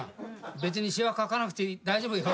別にしわ描かなくて大丈夫よ。